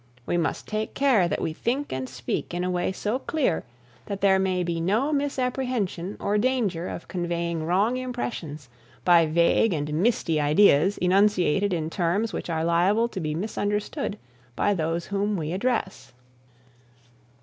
We must take care that we think and speak in a way so clear that there may be no misapprehension or danger of conveying wrong impressions by vague and misty ideas enunciated in terms which are liable to be misunderstood by those whom we address.